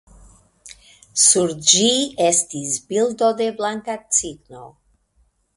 Sur ĝi estis bildo de blanka cigno.